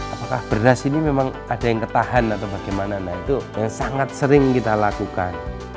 apakah beras ini memang ada yang ketahan atau bagaimana nah itu yang sangat sering kita lakukan